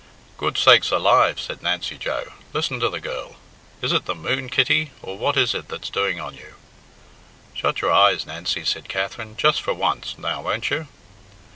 "Good sakes alive?" said Nancy Joe. "Listen to the girl? Is it the moon, Kitty, or what is it that's doing on you?" "Shut your eyes, Nancy," said Katherine, "just for once, now won't you?"